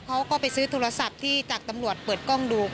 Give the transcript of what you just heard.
เขาก็ไปซื้อโทรศัพท์ที่จากตำรวจเปิดกล้องดู